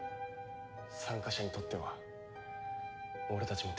参加者にとっては俺たちも敵だ。